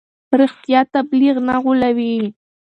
رښتیا تبلیغ نه غولوي.